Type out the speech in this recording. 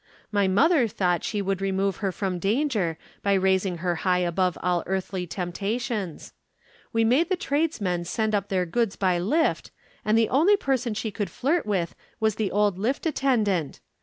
My mother thought she would remove her from danger by raising her high above all earthly temptations. We made the tradesmen send up their goods by lift and the only person she could flirt with was the old lift attendant.